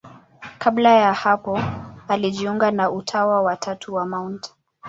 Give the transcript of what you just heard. Kabla ya hapo alijiunga na Utawa wa Tatu wa Mt.